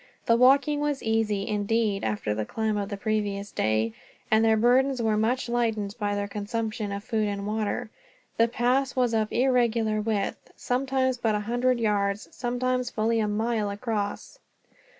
The walking was easy, indeed, after the climb of the previous day; and their burdens were much lightened by their consumption of food and water. The pass was of irregular width, sometimes but a hundred yards, sometimes fully a mile across.